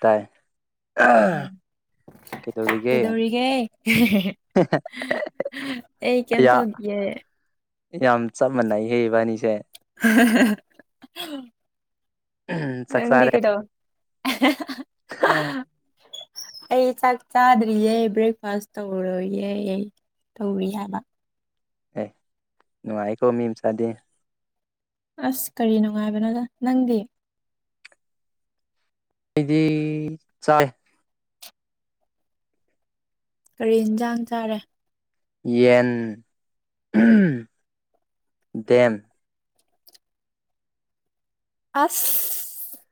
ꯇꯥꯏ ꯑꯝ ꯀꯩꯗꯧꯔꯤꯒꯦ ꯀꯗꯧꯒ ꯑꯩ ꯀꯝ ꯑꯌꯥ ꯇꯧꯒꯦ ꯌꯥꯝ ꯆꯞ ꯃꯥꯟꯅꯩ ꯍꯦꯛ ꯏꯕꯥꯅꯤꯁꯦ [inaudible] ꯆꯥꯛ ꯅꯗꯤ ꯆꯥꯔꯦ ꯀꯗꯣ ꯑꯩ ꯆꯥꯛ ꯆꯥꯗ꯭ꯔꯤ ꯭ꯔꯦꯛꯐꯥꯁ ꯇꯧꯔ ꯑꯩ ꯇꯧꯔꯤ ꯌꯥꯕ ꯅꯒꯤꯀ ꯃꯤ ꯃꯁꯗꯦ ꯑꯁ ꯀꯔꯤ ꯅꯨꯡꯉꯥꯏꯕꯅꯣ ꯅꯪꯗꯤ ꯑꯩꯗꯤ ꯆꯥꯏ ꯀꯔꯤ ꯌꯦꯟꯁꯥꯡ ꯆꯥꯔꯦ ꯌꯦꯟ ꯗꯦꯝ ꯑꯁ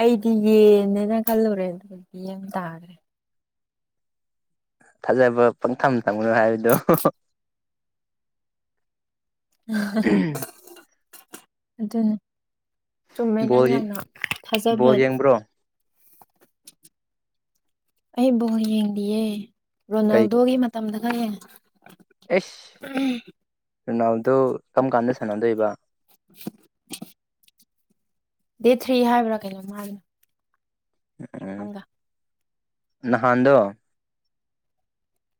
ꯑꯩꯗꯤ ꯌꯦꯟꯅꯦꯅ ꯈꯜꯂꯨꯔꯦ ꯑꯗꯨꯗꯤ ꯌꯦ ꯇꯥꯔꯦ ꯊꯥꯖꯕ ꯄꯪꯊꯝ ꯊꯝꯅꯨ ꯍꯥꯏꯕꯗꯣ ꯎ ꯑꯗꯨꯗꯅꯦ ꯆꯨꯝꯃꯦ ꯕꯣꯜ ꯅꯪ ꯌꯥꯝꯅ ꯕꯣꯜ ꯊꯥꯖꯕꯅꯤ ꯌꯦꯡꯕ꯭ꯔꯣ ꯑꯩꯕꯨꯕꯣꯠ ꯌꯦꯡꯂꯤꯌꯦ ꯀꯩ ꯔꯣꯅꯥꯜꯗꯣꯒꯤ ꯇꯝꯗ ꯈꯔ ꯌꯦꯡꯉꯦ ꯅꯅꯥꯎꯗꯣ ꯀꯔꯝ ꯀꯥꯟꯗ ꯁꯥꯟꯅꯗꯣꯏꯕ [inaudible] ꯗꯦꯠ ꯊ꯭ꯔꯤ ꯍꯥꯏꯕ꯭ꯔꯥ ꯀꯩꯅꯣꯝ ꯍꯥꯏꯕꯅꯣ ꯍꯒꯥ ꯅꯍꯥꯟꯗ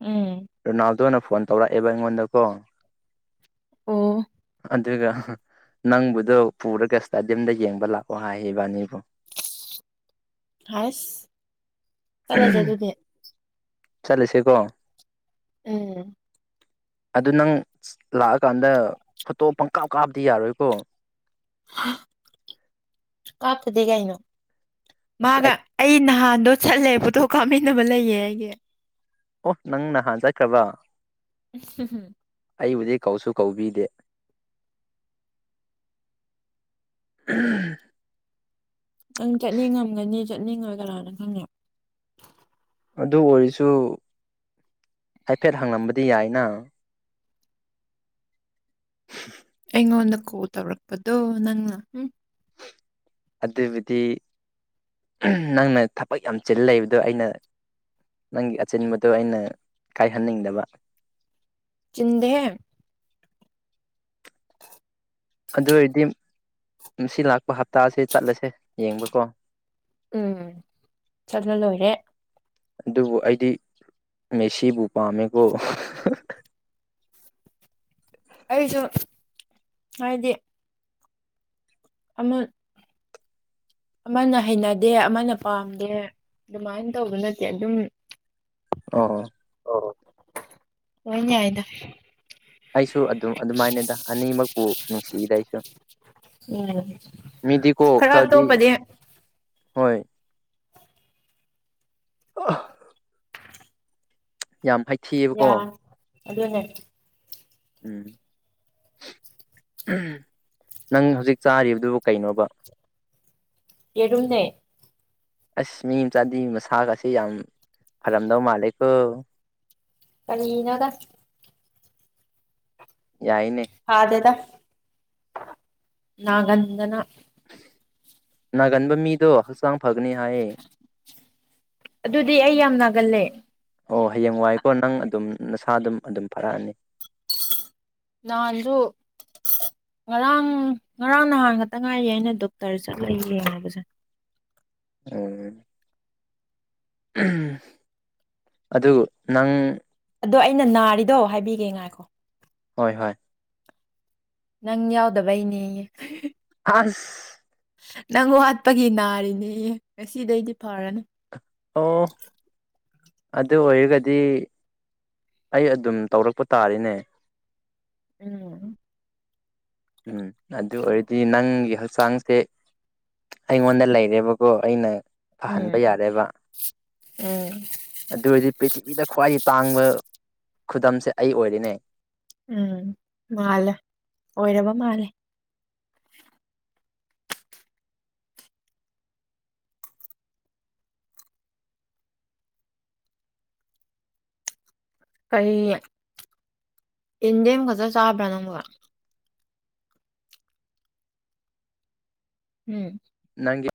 ꯎꯝ ꯔꯣꯅꯥꯜꯗꯣꯅ ꯐꯣꯟ ꯇꯧꯔꯛꯑꯦꯕ ꯑꯩꯉꯣꯟꯗꯀꯣ ꯑꯣ ꯑꯗꯨꯒ ꯅꯪꯕꯨꯗꯣ ꯄꯨꯔꯒ ꯏꯁꯇꯥꯗꯤꯌꯝꯗ ꯌꯦꯡꯕ ꯂꯥꯛꯑꯣ ꯍꯥꯏ ꯏꯕꯥꯅꯤꯕꯨ ꯍꯥꯏꯥꯏꯁ ꯆꯂꯦ ꯆꯥꯏ ꯑꯗꯨꯗꯤ ꯆꯠꯂꯁꯦꯀꯣ ꯎꯝ ꯑꯗꯨ ꯅꯪ ꯂꯥꯛꯑꯀꯥꯟꯗ ꯐꯣꯇꯣ ꯄꯪꯀꯥꯞ ꯀꯥꯞꯗꯤ ꯌꯥꯔꯣꯏꯀꯣ ꯀꯠꯇꯗꯤ ꯀꯅꯣ ꯃꯥꯒ ꯑꯩ ꯅꯍꯥꯟꯗꯣ ꯆꯠꯂꯦ ꯄꯨꯣꯊꯣꯛ ꯀꯥꯞꯃꯤꯟꯅꯕ ꯂꯩꯌꯦ ꯑꯩꯒꯤ ꯑꯣ ꯅꯪꯅꯍꯖꯈ꯭ꯔꯕ [inaudible] ꯑꯩꯕꯨꯗꯤ ꯀꯧꯁꯨ ꯀꯧꯕꯤꯗꯦ [inaudible] ꯅꯪ ꯆꯠꯅꯤꯡꯉꯝꯒꯅꯤ ꯆꯠꯅꯤꯡꯉꯣꯏ ꯀꯔꯥꯅꯪ ꯈꯪꯉ ꯑꯗꯨ ꯑꯣꯏꯔꯁꯨ ꯍꯥꯏꯐꯦꯠ ꯍꯪꯂꯝꯕꯗꯤ ꯌꯥꯏꯅ [inaudible] ꯑꯩꯉꯣꯟꯗ ꯀꯣꯜ ꯇꯧꯔꯛꯄꯗꯣ ꯅꯪꯅ ꯑꯗꯨꯕꯨꯗꯤ ꯅꯪꯅ ꯊꯕꯛ ꯌꯥꯝ ꯆꯤꯜꯂ ꯂꯩꯕꯗꯣ ꯑꯩꯅ ꯅꯪꯒꯤ ꯑꯆꯤꯟꯕꯗꯣ ꯑꯩꯅ ꯀꯥꯏꯍꯟꯅꯤꯡꯗꯕ ꯆꯤꯟꯗꯦ ꯑꯗꯨ ꯑꯣꯏꯔꯗꯤ ꯃꯁꯤ ꯂꯥꯛꯄ ꯍꯞꯇꯥꯁꯦ ꯆꯠꯂꯁꯦ ꯌꯦꯡꯕꯀꯣ ꯎꯝ ꯆꯠꯅ ꯂꯣꯏꯔꯦ ꯑꯗꯨꯕꯨ ꯑꯩꯗꯤ ꯃꯦꯁꯤꯕꯨ ꯄꯥꯝꯃꯦꯀꯣ ꯑꯩꯁꯨ ꯍꯥꯏꯗꯤ ꯑꯃ ꯑꯃꯅ ꯍꯩꯅꯗꯦ ꯑꯃꯅ ꯄꯥꯝꯗꯦ ꯑꯗꯨꯃꯥꯏꯅ ꯇꯧꯕ ꯅꯠꯇꯦ ꯑꯗꯨꯝ ꯔ ꯍꯅꯏꯗ ꯑꯩꯁꯨ ꯑꯗꯨꯝ ꯑꯗꯨꯃꯥꯏꯅꯗ ꯑꯅꯤꯃꯛꯄꯨ ꯅꯨꯡꯁꯤꯏꯗ ꯑꯩꯁꯨ ꯎꯝ ꯃꯤꯗꯤꯀꯣ ꯈꯔ ꯈꯔꯗꯤ ꯇꯣꯞꯄꯗꯤ ꯍꯣꯏ ꯑ ꯌꯥꯝ ꯍꯩꯊꯤꯑꯕꯀꯣ ꯑꯗꯨꯗ ꯍꯣ ꯎꯝ ꯅꯪ ꯍꯧꯖꯤꯛ ꯆꯥꯔꯤꯕꯗꯨꯕꯨ ꯀꯩꯅꯣꯕ ꯌꯦꯔꯃꯦ ꯑꯁ ꯃꯤ ꯆꯥꯟꯗꯤ ꯃꯁꯥꯒꯁꯤꯦ ꯌꯥꯝ ꯐꯔꯝꯗꯧ ꯃꯥꯜꯂꯦꯀꯣ ꯀꯅꯒ ꯌꯥꯏꯅꯦ ꯐꯗꯦꯗ ꯅꯒꯟꯗꯅ ꯒꯟꯕꯝꯃꯤꯗꯣ ꯍꯁꯝ ꯑꯗꯨꯗꯤ ꯑꯩ ꯌꯥꯝ ꯅꯥꯒꯜꯂꯦ ꯑꯣ ꯍꯌꯦꯡ ꯋꯥꯏꯀꯣ ꯅꯪ ꯑꯗꯨꯝ ꯅꯁꯥ ꯑꯗꯨꯝ ꯑꯗꯨꯝ ꯐꯥꯔꯛꯑꯅꯤ ꯅꯥꯟꯗ ꯉꯔꯥꯡ ꯉꯔꯥꯡ ꯅꯍꯥꯟ ꯈꯛꯇ ꯉꯥꯏꯌꯦꯦ ꯑꯩꯅ ꯗꯣꯛꯇꯔ ꯆꯠꯂ ꯌꯦꯡꯉꯕꯁꯦ ꯎꯝ ꯑꯗꯨ ꯅꯪ ꯑꯗꯣ ꯑꯩꯅ ꯅꯥꯔꯤꯗꯣ ꯍꯥꯏꯕꯤꯒꯦ ꯉꯥꯏꯈꯣ ꯍꯣꯏ ꯍꯣꯏ ꯅꯪ ꯌꯥꯎꯗꯕꯩꯅꯦꯌꯦ ꯑꯁ ꯅꯪ ꯋꯥꯠꯄꯒꯤ ꯅꯥꯔꯤꯅꯦ ꯉꯁꯤꯗꯩꯗꯤ ꯐꯔꯅꯨ ꯑꯣ ꯑꯗꯨ ꯑꯣꯏꯔꯒꯗꯤ ꯑꯩ ꯑꯗꯨꯝ ꯇꯧꯔꯛꯄ ꯇꯥꯔꯤꯅꯦ ꯎꯝ ꯎꯝ ꯑꯗꯨ ꯑꯣꯏꯔꯗꯤ ꯅꯪꯒꯤ ꯍꯧꯖꯤꯛ ꯍꯛꯆꯥꯡꯁꯦ ꯑꯩꯉꯣꯟꯗ ꯂꯩꯔꯦꯕꯀꯣ ꯑꯩꯅ ꯐꯍꯟꯕ ꯎꯝ ꯌꯥꯔꯦꯕ ꯎꯝ ꯑꯗꯨ ꯑꯣꯏꯔꯗꯤ ꯄ꯭ꯔꯤꯊꯤꯕꯤꯗ ꯈ꯭ꯋꯥꯏ ꯇꯥꯡꯕ ꯈꯨꯗꯝꯁꯦ ꯑꯩ ꯑꯣꯏꯔꯤꯅꯦ ꯎꯝ ꯃꯥꯜꯂꯦ ꯑꯣꯏꯔꯕ ꯃꯥꯜꯂꯦ ꯀꯔꯤ ꯏꯟꯗꯤ ꯃꯈ ꯈꯖ ꯆꯥꯕꯅꯝꯕ ꯎꯝ ꯊꯦꯡꯌ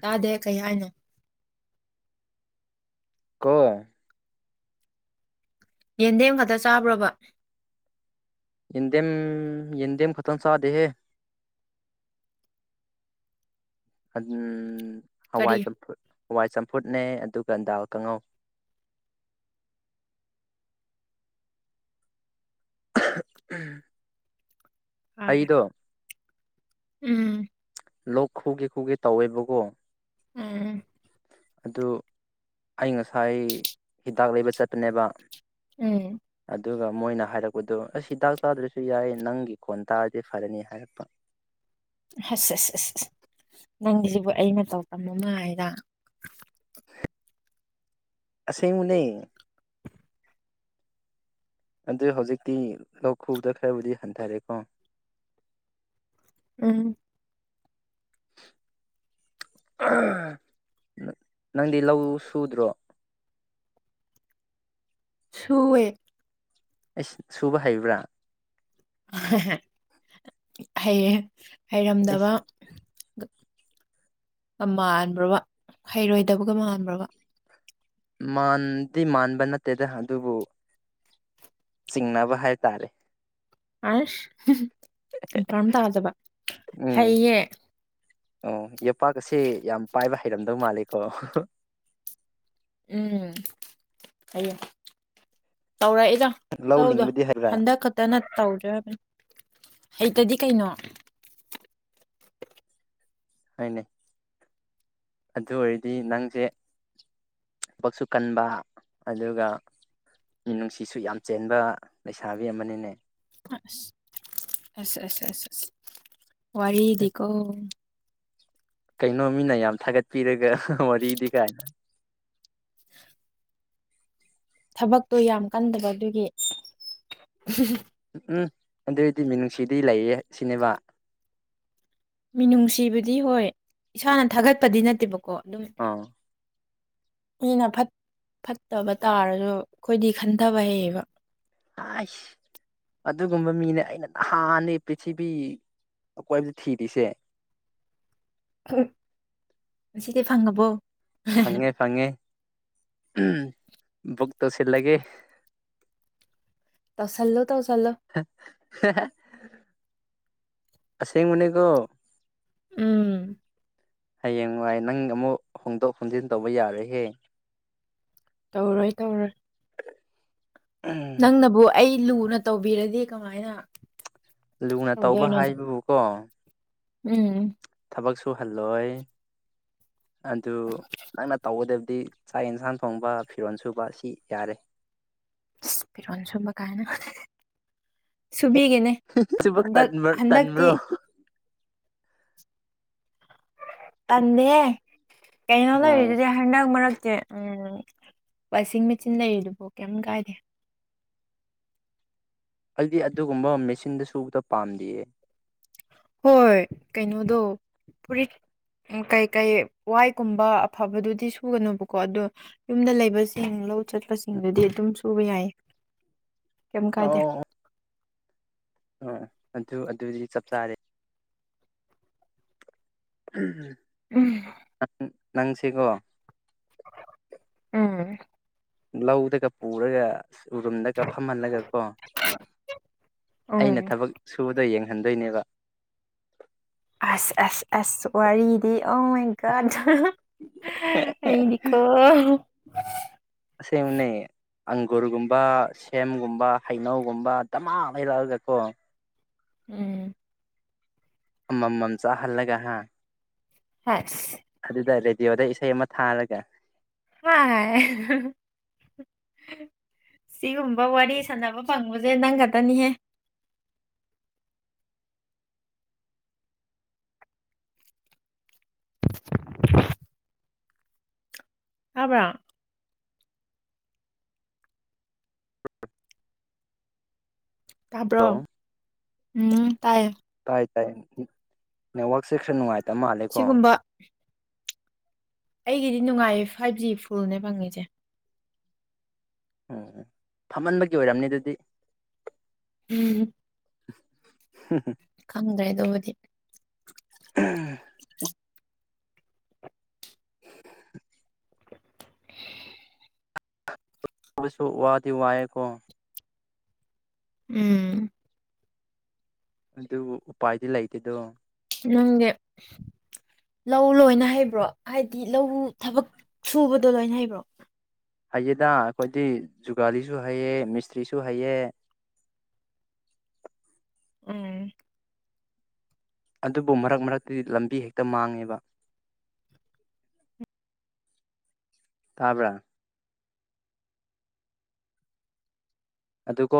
ꯇꯥꯗꯦ ꯀꯩ ꯍꯥꯏꯅꯣ ꯀ ꯌꯦꯟꯗꯦꯝ ꯈꯛꯇ ꯆꯥꯕ꯭ꯔꯕ ꯌꯦꯦꯝ ꯌꯦꯗꯦꯝ ꯈꯇꯣꯟ ꯁꯥꯗꯦꯍꯦ ꯑꯗꯨꯝ ꯍꯋꯥꯏ ꯀꯔꯤ ꯆꯝꯄ ꯋꯥꯏ ꯆꯝꯐꯨꯠꯅꯦ ꯑꯗꯨꯒ ꯗꯥꯜ ꯀꯥꯡꯉꯧ ꯐꯔꯦ ꯑꯩꯗꯣ ꯎꯝ ꯂꯣꯛ ꯈꯨꯒꯦ ꯈꯨꯒꯦ ꯇꯧꯋꯦꯕꯀꯣ ꯑꯥ ꯑꯗꯨ ꯑꯩ ꯉꯁꯥꯏ ꯍꯤꯗꯥꯛ ꯂꯩꯕ ꯆꯠꯄꯅꯦꯕ ꯎꯝ ꯑꯗꯨꯒ ꯃꯣꯏꯅ ꯍꯥꯏꯔꯛꯄꯗꯣ ꯑꯩ ꯍꯤꯗꯥꯛ ꯆꯥꯗ꯭ꯔꯁꯨ ꯌꯥꯏ ꯅꯪꯒꯤ ꯈꯣꯟ ꯇꯥꯔꯗꯤ ꯐꯔꯅꯤ ꯍꯥꯏꯔꯛꯄ [unintelligible] ꯑꯁ ꯑꯁ ꯑꯁ ꯑꯁ ꯅꯪꯒꯤꯁꯤꯕꯨ ꯑ ꯃꯇꯧ ꯇꯝ ꯑꯃ ꯍꯥꯏꯔ ꯁꯤꯕꯨꯨꯅꯦ ꯑꯗꯨ ꯍꯧꯖꯤꯛꯇꯤ ꯂꯧꯈꯕꯗ ꯈꯔꯕꯨꯗꯤ ꯍꯟꯊꯔꯦꯀꯣ ꯎꯝ [unintelligible] ꯅꯪꯗꯤ ꯂꯧ ꯁꯨꯗ꯭ꯔꯣ ꯁꯨꯋꯦ ꯑꯩꯁ ꯁꯨꯕ ꯍꯩꯕ꯭ꯔꯥ ꯍꯩꯔꯦ ꯍꯩꯔꯝꯗꯕ ꯃꯥꯟꯕ꯭ꯔꯕ ꯍꯩꯔꯣꯏꯗꯕꯒ ꯃꯥꯟꯕ꯭ꯔꯕ ꯃꯥꯟꯗꯤ ꯃꯥꯟꯕ ꯅꯠꯇꯦꯗ ꯑꯗꯨꯕꯨ ꯆꯤꯡꯅꯕ ꯍꯥꯏ ꯇꯔꯦ ꯑꯁ ꯀꯟꯐꯥꯔꯝ ꯇꯥꯗꯕ ꯎꯝ ꯍꯩꯌꯦ ꯑꯣ ꯌꯣꯄꯥꯛ ꯑꯁꯤ ꯌꯥꯝ ꯄꯥꯏꯕ ꯍꯩꯔꯝꯗꯧ ꯃꯥꯜꯂꯦꯀꯣ ꯎꯝ ꯀꯣ ꯇꯧꯔꯛꯏꯗ ꯂꯧ ꯇꯗꯣ ꯂꯤꯡꯕꯗꯤ ꯍꯩꯕ꯭ꯔꯥ ꯍꯟꯗꯛ ꯈꯛꯇꯅ ꯇꯧꯖꯕꯅꯤ ꯍꯇꯗꯤ ꯀꯩꯅꯣ ꯍꯥꯏꯅꯦ ꯑꯗꯨ ꯑꯣꯏꯔꯗꯤ ꯅꯪꯁꯦ ꯕꯛꯁꯨ ꯀꯟꯕ ꯑꯗꯨꯒ ꯃꯤꯅꯨꯡꯁꯤꯁꯨ ꯌꯥꯝ ꯆꯦꯟꯕ ꯂꯩꯁꯥꯕꯤ ꯑꯃꯅꯤꯅꯦ ꯑ ꯑ ꯋꯥꯔꯤꯗꯤꯀꯣ ꯀꯩꯅꯣ ꯃꯤꯅ ꯌꯥꯝ ꯊꯥꯒꯠꯄꯤꯔꯒ ꯋꯥꯔꯤꯗꯤ ꯀꯥꯏꯅ ꯊꯕꯛꯇꯣ ꯌꯥꯝ ꯀꯟꯗꯕ ꯑꯗꯨꯒꯤ ꯎꯝ ꯎꯝ ꯑꯗꯨꯑꯣꯏꯗꯤ ꯃꯤꯅꯨꯡꯁꯤꯗꯤ ꯂꯩꯌꯦ ꯁꯤꯅꯦꯕ ꯃꯤꯅꯨꯡꯁꯤꯕꯗꯤ ꯍꯣꯏ ꯏꯁꯥꯅ ꯊꯥꯒꯠꯄꯗꯤ ꯅꯠꯇꯦꯕꯀꯣ ꯑꯗꯨꯝ ꯑꯥ ꯃꯤꯅ ꯐꯠꯇꯕ ꯇꯥꯔꯁꯨ ꯑꯩꯈꯣꯏꯗꯤ ꯈꯟꯊꯕ ꯍꯩꯌꯦꯕ ꯑꯁ ꯑꯗꯨꯒꯨꯝꯕ ꯃꯤꯅꯦ ꯑꯩꯅ ꯅꯍꯥꯟꯅꯦ ꯄ꯭ꯔꯤꯊꯤꯕꯤ ꯑꯀꯣꯏꯕꯗ ꯊꯤꯔꯤꯁꯦ ꯑꯁꯤꯗꯤ ꯐꯪꯉꯕꯣ ꯐꯪꯉꯦ ꯐꯉꯦ ꯎꯝ ꯣꯛꯛꯇꯁꯤꯂꯒꯦ ꯇꯁꯜꯂꯣ ꯁꯤꯤꯡꯃꯅꯤ ꯀ ꯎꯝ ꯍꯌꯦꯡ ꯅꯨꯡꯥꯏ ꯅꯪ ꯑꯃꯨꯛ ꯍꯣꯡꯗꯣꯛ ꯍꯣꯡꯖꯤꯟ ꯇꯧꯕ ꯌꯥꯔꯍꯦ ꯇꯧꯔꯣꯏ ꯇꯧꯔꯣꯏ ꯅꯪꯅꯕꯨ ꯑꯩ ꯂꯨꯅ ꯇꯧꯕꯤꯔꯗꯤ ꯀꯃꯥꯏꯅ ꯂꯨꯅ ꯇꯧꯕ ꯇꯧꯗꯣꯏꯅꯣꯗ ꯍꯥꯏꯕꯕꯨ ꯀꯣ ꯎꯝ ꯊꯕꯛ ꯁꯨꯍꯜꯂꯣꯏ [inaudible] ꯑꯗꯨ ꯅꯪꯅ ꯇꯧꯒꯗꯕꯗꯤ ꯆꯥꯛ ꯌꯦꯟꯁꯥꯡ ꯊꯣꯡꯕ ꯐꯤꯔꯣꯜ ꯁꯨꯕ ꯁꯤ ꯌꯥꯔꯦ ꯄꯤꯔꯣꯣꯟ ꯁꯨꯝꯕ ꯀꯥꯏꯅ ꯁꯨꯕꯤꯒꯦꯅꯦ ꯁꯤꯕꯨ ꯍꯟꯗꯛ ꯍꯟꯗꯛꯇꯤ ꯇꯟꯕ꯭ꯔꯣ ꯇꯥꯟ ꯗꯦ ꯑꯣ ꯀꯩꯅꯅꯂꯣꯏꯗꯤꯥꯟꯗ ꯃꯔꯔꯛ ꯦ ꯎ ꯋꯥꯁꯤꯡ ꯃꯦꯆꯤꯟ ꯂꯩꯔꯤꯗꯨꯕꯣ ꯀꯩꯝ ꯀꯥꯏꯗꯦ ꯑꯩꯗꯤ ꯑꯗꯨꯒꯨꯝꯕ ꯃꯦꯆꯤꯟꯗ ꯁꯨꯕꯗ ꯄꯥꯝꯗꯦꯌꯦ ꯍꯣꯏ ꯀꯩꯅꯣꯗꯣ ꯐꯔꯤꯠ ꯎ ꯀꯩꯀꯩ ꯋꯥꯏꯒꯨꯝꯕ ꯑꯐꯕꯗꯨꯗꯤ ꯁꯨꯒꯅꯣꯕꯀꯣ ꯑꯗꯣ ꯌꯨꯝꯗ ꯂꯩꯕꯁꯤꯡ ꯂꯧ ꯆꯠꯄꯁꯤꯡꯗꯨꯗꯤ ꯑꯗꯨꯝ ꯁꯨꯕ ꯌꯥꯏꯌꯦ ꯀꯩ ꯀꯥꯏꯗꯦ ꯑ ꯑꯗꯨ ꯑꯗꯨꯗꯤ ꯆꯞ ꯆꯥꯔꯦ ꯎꯝꯝ ꯎꯝ ꯅꯪꯁꯤꯀꯣ ꯎꯝ ꯂꯧꯧꯗꯒ ꯄꯨꯔꯒ ꯑ ꯎꯔꯨꯝꯗꯒ ꯐꯝꯍꯜꯂꯒ ꯀꯣ ꯎꯝ ꯑꯩꯅ ꯊꯕꯛ ꯁꯨꯕꯗꯣ ꯌꯦꯡ ꯑꯣꯏꯍꯟꯗꯣꯏꯅꯦꯕ ꯋꯥꯔꯤꯔꯤꯗꯤ ꯑ ꯑꯩꯀꯗ ꯑꯩꯗꯤꯀꯣ ꯁꯦ ꯅꯌꯦ ꯑꯪꯒꯨꯔꯒꯨꯝꯕ ꯁꯦꯝꯒꯨꯝꯕ ꯍꯩꯅꯧꯒꯨꯝꯕ ꯇꯃꯥ ꯂꯩꯩꯔꯛꯑꯒꯀꯣ ꯎꯝ ꯑꯃꯃꯝ ꯆꯥꯍꯜꯂꯒ ꯍꯥ ꯍ ꯑꯗꯨꯗ ꯔꯦꯗꯤꯑꯣꯗ ꯏꯁꯩ ꯑꯃ ꯊꯥꯔꯒ ꯍ ꯁꯤꯒꯨꯝꯕ ꯋꯥꯔꯤ ꯁꯥꯟꯅꯕ ꯐꯪꯕꯁꯦ ꯅꯪ ꯈꯛꯇꯅꯤꯍꯦ ꯑꯕ ꯇꯥꯕ꯭ꯔꯣ ꯍꯜꯂꯣ ꯎꯝ ꯇꯥꯏ ꯅꯦꯠꯛ ꯁꯦꯁꯟ ꯅꯨꯡꯉꯥꯏ ꯁꯤꯒꯨꯝꯕ ꯑꯩꯒꯤꯗꯤ ꯅꯨꯡꯉꯥꯏꯌꯦ ꯐꯥꯏꯚ ꯖꯤ ꯐꯨꯜꯅꯦ ꯐꯪꯉꯁꯦ ꯎꯝ ꯎ ꯐꯝꯃꯟꯕꯒꯤ ꯑꯣꯏꯔꯝꯅꯤ ꯑꯗꯨꯗꯤ ꯎꯝ [inaudible] ꯈꯪꯗ꯭ꯔꯦ ꯑꯗꯨꯕꯨꯗꯤ ꯎꯝ [inaudible] ꯄꯨꯁꯨ ꯋꯥꯗꯤ ꯋꯥꯏ ꯀ ꯎꯝ ꯑꯗꯨ ꯎꯄꯥꯏꯗꯤ ꯂꯩꯇꯦꯗꯣ ꯅꯪꯦ ꯂꯧ ꯂꯣꯏꯅ ꯍꯩꯕ꯭ꯔꯣ ꯍꯥꯏꯗꯤ ꯂꯧ ꯊꯕꯛ ꯁꯨꯕꯗꯣ ꯂꯣꯏꯅ ꯍꯩꯕ꯭ꯔꯣ ꯍꯩꯌꯦꯗ ꯑꯩꯈꯣꯏꯗꯤ ꯖꯨꯒꯥꯂꯤꯁꯨ ꯍꯩꯑꯦ ꯃꯤꯁꯇ꯭ꯔꯤꯁꯨ ꯍꯩꯑꯦ ꯎꯝ ꯑꯗꯨꯕꯨ ꯃꯔꯛ ꯃꯔꯛꯇꯗꯤ ꯂꯝꯕꯤ ꯍꯦꯛꯇ ꯃꯥꯡꯉꯦꯕ ꯇꯥꯕꯔ ꯑꯗꯨꯀꯣ